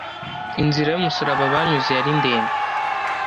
inzira y’umusaraba banyuze yari ndende